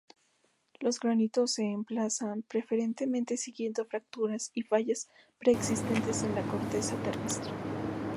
Los granitos se emplazan preferentemente siguiendo fracturas y fallas preexistentes en la corteza terrestre.